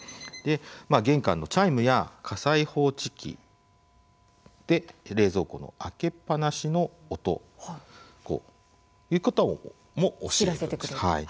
玄関のチャイムや火災報知器冷蔵庫の開けっぱなしの音ということも教えてくれます。